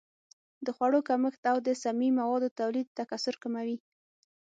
د خوړو کمښت او د سمي موادو تولید تکثر کموي.